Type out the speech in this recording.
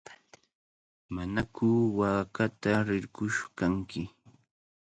¿Manaku waakata rirqush kanki?